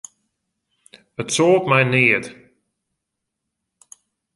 It soalt my neat.